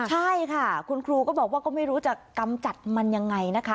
ใช่ค่ะคุณครูก็บอกว่าก็ไม่รู้จะกำจัดมันยังไงนะคะ